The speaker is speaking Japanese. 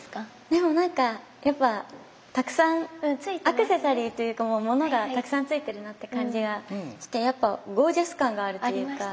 でも何かやっぱたくさんアクセサリーというか物がたくさんついてるなって感じがしてやっぱゴージャス感があるというか。